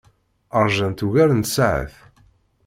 Ṛjant ugar n tsaɛet.